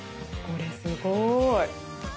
これすごーい！